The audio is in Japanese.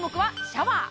シャワー